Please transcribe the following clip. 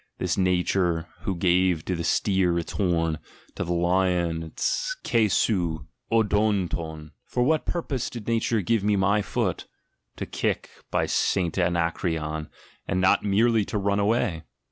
This Nature, who gave to the 10m, to the lion its ydo\i' 6§6vrcov, for what purpose did Nature give me my foot? — To kick, by St. Anacreon, and not merely to run away!